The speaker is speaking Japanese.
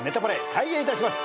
開演いたします。